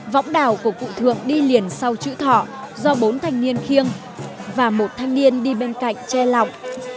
võng đào của cụ thượng đi liền sau chữ thọ do bốn thanh niên khiêng và một thanh niên đi bên cạnh che lọng